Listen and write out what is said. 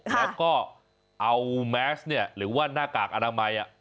แล้วก็เอาแมสเนี่ยหรือว่าหน้ากากอนามัย